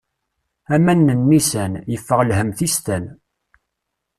Aman n nnisan, yeffeɣ lhemm tistan.